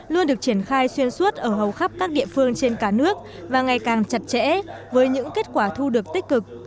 luôn được triển khai xuyên suốt ở hầu khắp các địa phương trên cả nước và ngày càng chặt chẽ với những kết quả thu được tích cực